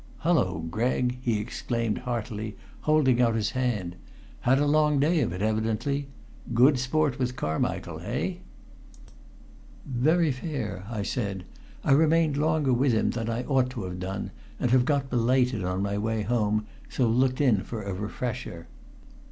"Hulloa, Gregg!" he exclaimed heartily, holding out his hand. "Had a long day of it, evidently. Good sport with Carmichael eh?" "Very fair," I said. "I remained longer with him than I ought to have done, and have got belated on my way home, so looked in for a refresher."